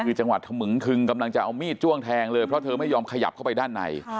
คือจังหวัดถมึงคึงกำลังจะเอามีดจ้วงแทงเลยเพราะเธอไม่ยอมขยับเข้าไปด้านใน